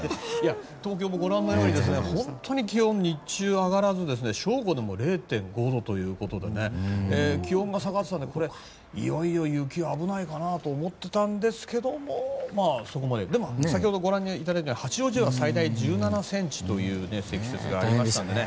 東京もご覧のように気温が日中は上がらず正午でも０．５度ということでね気温が下がっていたのでこれ、いよいよ雪が危ないかなと思っていたんですが先ほどご覧いただいたように八王子では最大１７ｃｍという積雪がありましたのでね。